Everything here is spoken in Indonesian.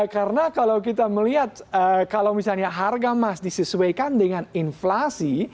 karena kalau kita melihat kalau misalnya harga emas disesuaikan dengan inflasi